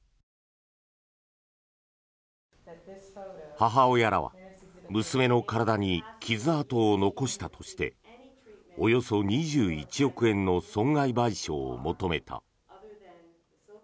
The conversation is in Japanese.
母親らは娘の体に傷痕を残したとしておよそ２１億円の損害賠償を求めた。